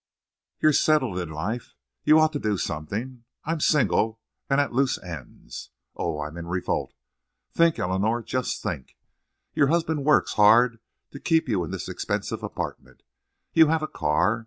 You're settled in life. You ought to do something. I'm single and at loose ends. Oh, I'm in revolt!... Think, Eleanor, just think. Your husband works hard to keep you in this expensive apartment. You have a car.